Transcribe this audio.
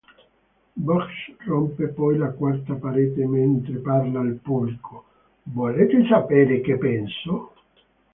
Bugs rompe poi la quarta parete mentre parla al pubblico: "Volete sapere che penso?